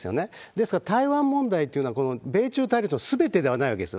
ですから、台湾問題というのは、この米中対立のすべてではないわけです。